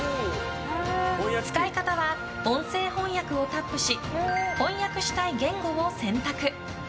使い方は、音声翻訳をタップし翻訳したい言語を選択。